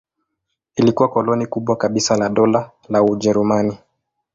Ilikuwa koloni kubwa kabisa la Dola la Ujerumani.